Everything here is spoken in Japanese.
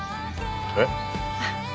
えっ？